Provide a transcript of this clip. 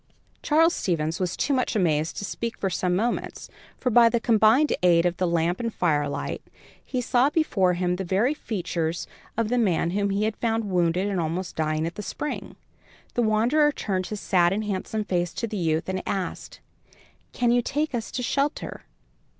Charles Stevens was too much amazed to speak for some moments, for, by the combined aid of the lamp and firelight, he saw before him the very features of the man whom he had found wounded and almost dying at the spring. The wanderer turned his sad and handsome face to the youth and asked: "Can you take us to shelter?"